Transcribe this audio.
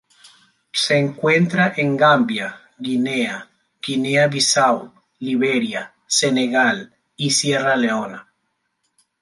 Se encuentra en Gambia, Guinea, Guinea-Bissau, Liberia, Senegal y Sierra Leona.